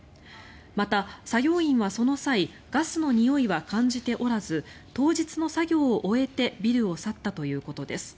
また、作業員はその際ガスのにおいは感じておらず当日の作業を終えてビルを去ったということです。